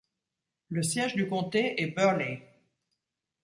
Le siège du comté est Burley.